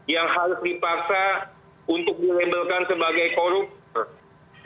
yang harus dipaksa untuk dilabelkan sebagai koruptor